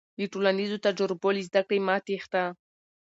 د ټولنیزو تجربو له زده کړې مه تېښته.